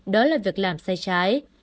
đó là việc làm sai trái